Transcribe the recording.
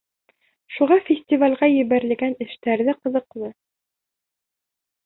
Шуға фестивалгә ебәрелгән эштәр ҙә ҡыҙыҡлы.